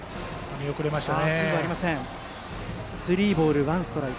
見送りましたね。